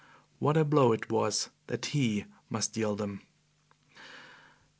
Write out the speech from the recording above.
What a blow it was that he must deal them!